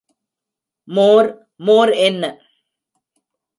மோர் மோர் என்ன?